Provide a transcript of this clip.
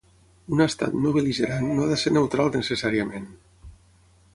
Un estat no bel·ligerant no ha de ser neutral necessàriament.